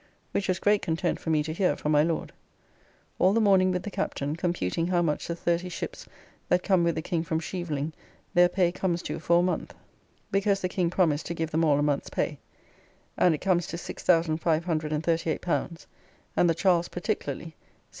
Which was great content for me to hear from my Lord. All the morning with the Captain, computing how much the thirty ships that come with the King from Scheveling their pay comes to for a month (because the King promised to give them all a month's pay), and it comes to L6,538, and the Charles particularly L777.